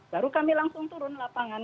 baru kami langsung turun lapangan